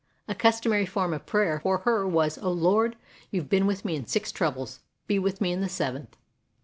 A customary form of prayer for her was, "O Lord, you've been with me in six troubles; be with me in the seventh."